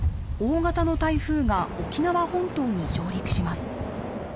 大型の台風が沖縄本島に上陸します。